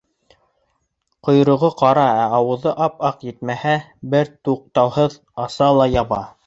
Ҡойроғо ҡара, ә ауыҙы ап-аҡ, етмәһә, бер туҡтауһыҙ аса ла яба.